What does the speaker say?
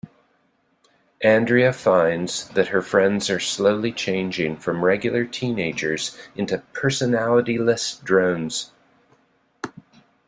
Andrea finds that her friends are slowly changing from regular teenagers into personality-less drones.